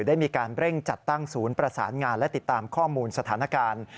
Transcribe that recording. ได้มีการเร่งจัดตั้งศูนย์ประสานงานและติดตามข้อมูลสถานการณ์